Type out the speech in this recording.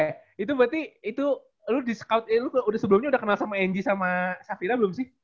eh itu berarti itu lo di scout eh lo udah sebelumnya udah kenal sama eji sama safira belum sih